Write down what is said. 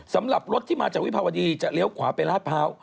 สำหรับรถที่มาจากวิภาวดีจะเลี้ยวขวาไปลาดพร้าว